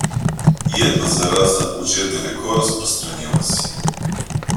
И эта зараза уже далеко распространилась.